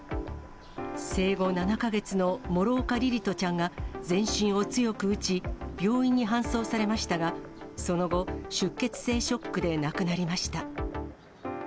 生後７か月の諸岡凛々斗ちゃんが全身を強く打ち、病院に搬送されましたが、その後、出血性ショックで亡くなりました。